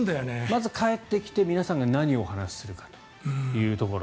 まず帰ってきて皆さんが何をお話しするかというところ。